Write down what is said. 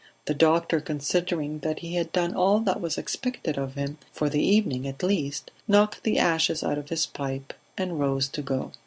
The doctor, considering that he had done all that was expected of him, for the evening at least, knocked the ashes out of his pipe and rose to go.